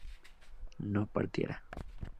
no partiera